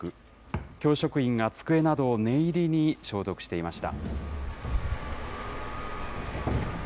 教職員が机などを念入りに消毒していました。